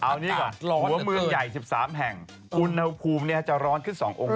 เอานี่ก่อนหัวเมืองใหญ่๑๓แห่งอุณหภูมิจะร้อนขึ้น๒องศ